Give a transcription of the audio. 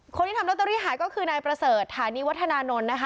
คนที่ทำลอตเตอรี่หายก็คือนายประเสริฐฐานีวัฒนานนท์นะคะ